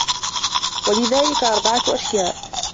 وَذَلِكَ أَرْبَعَةُ أَشْيَاءَ